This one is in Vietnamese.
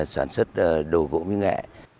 sản xuất đồ gỗ miếng nghệ